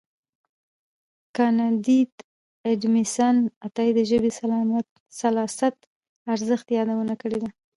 کانديد اکاډميسن عطايي د ژبې د سلاست ارزښت یادونه کړې ده.